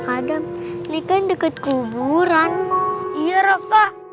adam ini kan deket kuburan iya rafa